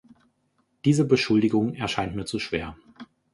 Diese Beschuldigung erscheint mir zu schwer.